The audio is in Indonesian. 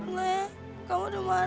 le kamu dimana sih le